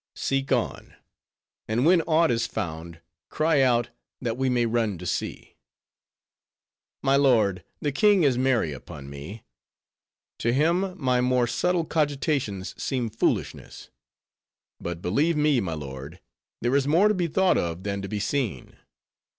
"Seek on; and when aught is found, cry out, that we may run to see." "My lord the king is merry upon me. To him my more subtle cogitations seem foolishness. But believe me, my lord, there is more to be thought of than to be seen.